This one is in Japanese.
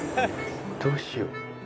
どうしよう。